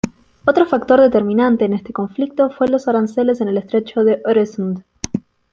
Otro factor determinante en este conflicto fue los aranceles en el estrecho de Øresund.